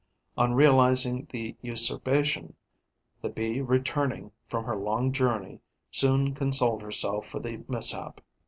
On realizing the usurpation, the Bee returning from her long journey soon consoled herself for the mishap.